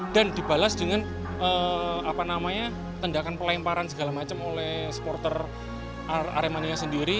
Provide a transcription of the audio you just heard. dan dibalas dengan tendakan pelemparan segala macam oleh supporter aremania sendiri